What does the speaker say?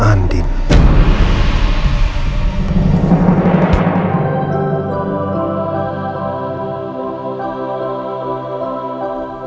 padahal andin baru aja kerja